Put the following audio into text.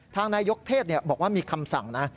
นายกเทศบอกว่ามีคำสั่งนะ